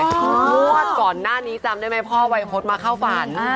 งวดก่อนหน้านี้จำได้ไหมพ่อวัยพจน์มาเข้าฝัน